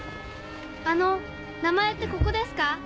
あの名前ってここですか？